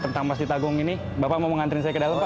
tentang masjid agung ini bapak mau mengantri saya ke dalam pak